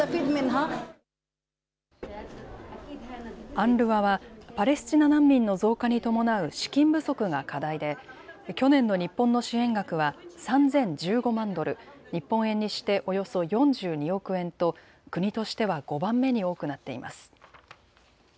ＵＮＲＷＡはパレスチナ難民の増加に伴う資金不足が課題で去年の日本の支援額は３０１５万ドル、日本円にしておよそ４２億円と国としては５番目に多くなっています。